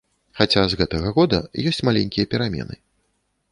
Хаця з гэтага года ёсць маленькія перамены.